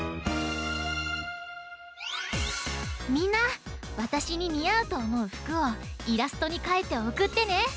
みんなわたしににあうとおもうふくをイラストにかいておくってね！